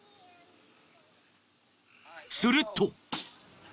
［すると］